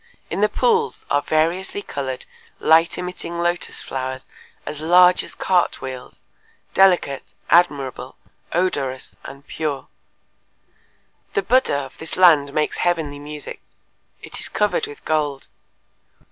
In the pools are variously colored, light emitting lotus flowers as large as cart wheels, delicate, admirable, odorous and pure…" "The Buddha of this land makes heavenly music. It is covered with gold.